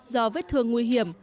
do vết thương nguy hiểm